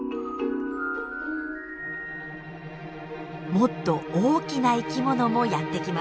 もっと大きな生きものもやって来ます。